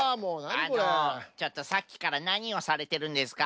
あのちょっとさっきからなにをされてるんですか？